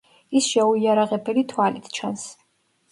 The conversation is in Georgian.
ის შეუიარაღებელი თვალით ჩანს.